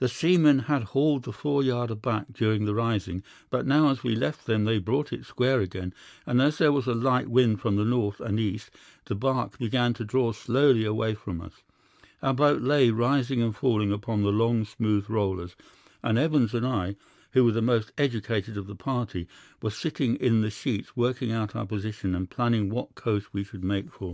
The seamen had hauled the foreyard aback during the rising, but now as we left them they brought it square again, and as there was a light wind from the north and east the barque began to draw slowly away from us. Our boat lay, rising and falling, upon the long, smooth rollers, and Evans and I, who were the most educated of the party, were sitting in the sheets working out our position and planning what coast we should make for.